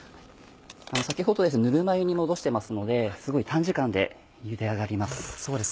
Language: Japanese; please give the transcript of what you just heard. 先ほどぬるま湯に戻してますのですごい短時間でゆで上がります。